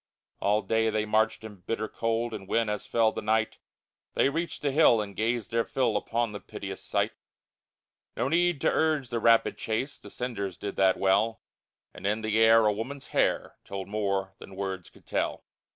All day they marched in bitter cold, And when, as fell the night, They reached the hill and gazed their fill Upon the piteous sight, No need to urge the rapid chase, The cinders did that well, And in the air a woman's hair Told more than words could tell.